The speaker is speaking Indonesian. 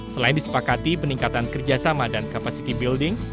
selain disepakati peningkatan kerjasama dan capacity building